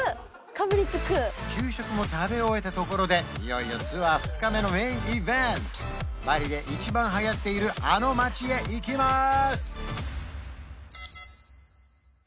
昼食も食べ終えたところでいよいよツアーバリで一番はやっているあの町へ行きます